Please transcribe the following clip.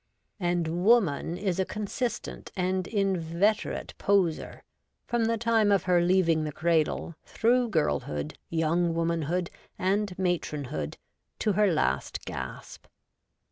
And Woman is a consistent and inveterate poseur, from the time of her leaving the cradle, through girlhood, young womanhood, and matron hood, to her last gasp.